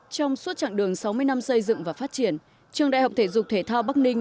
trong suốt chặng đường sáu mươi năm xây dựng và phát triển trường đại học thể dục thể thao bắc ninh